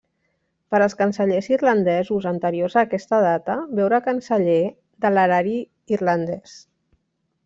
Per als cancellers irlandesos anteriors a aquesta data, veure Canceller de l'Erari Irlandès.